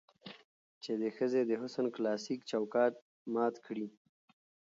چې د ښځې د حسن کلاسيک چوکاټ مات کړي